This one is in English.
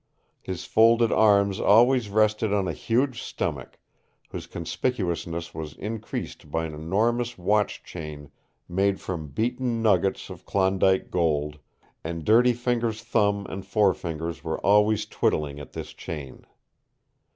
His folded arms always rested on a huge stomach, whose conspicuousness was increased by an enormous watch chain made from beaten nuggets of Klondike gold, and Dirty Fingers' thumb and forefinger were always twiddling at this chain.